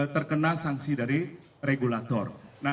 terkena sanksi dari regulator